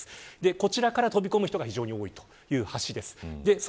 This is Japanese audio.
こちらから飛び込む人が非常に多い橋です。